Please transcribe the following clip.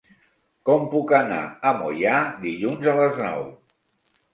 Com puc anar a Moià dilluns a les nou?